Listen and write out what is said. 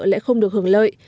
lại không được hưởng lợi